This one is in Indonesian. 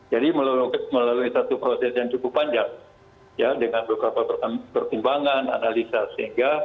jadi melalui satu proses yang cukup panjang ya dengan beberapa pertimbangan analisa sehingga